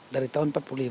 dari tahun empat puluh lima